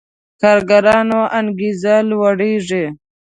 کارګرانو انګېزه لوړېږي.